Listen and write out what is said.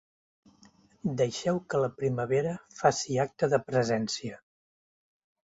Deixeu que la primavera faci acte de presència!